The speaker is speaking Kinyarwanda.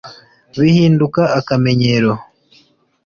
bihinduka akamenyero